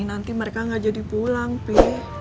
nanti mereka nggak jadi pulang pi